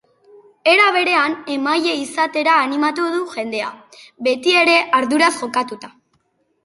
Era berean, emaile izatera animatu du jendea, betiere arduraz jokatuta.